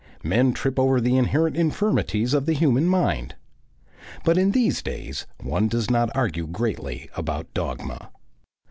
Men trip over the inherent infirmities of the human mind. But in these days one does not argue greatly about dogma.